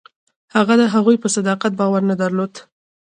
هغه د هغوی په صداقت باور نه درلود.